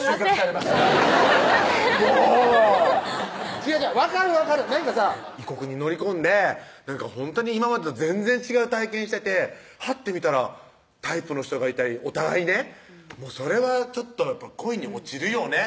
違う違う分かる分かるなんかさ異国に乗り込んでほんとに今までと全然違う体験しててはって見たらタイプの人がいたりお互いねそれはちょっと恋に落ちるよね